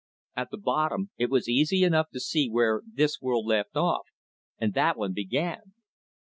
At the bottom it was easy enough to see where this world left off and that one began.